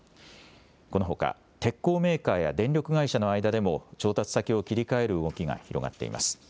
このほか鉄鋼メーカーや電力会社の間でも調達先を切り替える動きが広がっています。